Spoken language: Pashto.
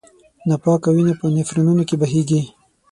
ناپاکه وینه په نفرونونو کې بهېږي.